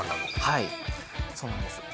はいそうなんです